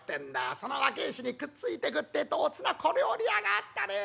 その若え衆にくっついてくってえとおつな小料理屋があったねえ。